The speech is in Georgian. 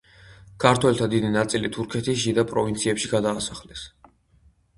ქართველთა დიდი ნაწილი თურქეთის შიდა პროვინციებში გადაასახლეს.